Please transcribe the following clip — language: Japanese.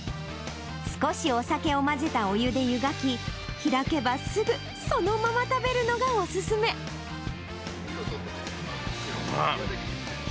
少しお酒を混ぜたお湯で湯がき、開けばすぐそのまま食べるのやばっ！